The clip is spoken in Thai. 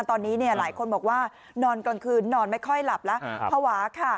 ตอนนี้หลายคนบอกว่านอนกลางคืนนอนไม่ค่อยหลับแล้วภาวะค่ะ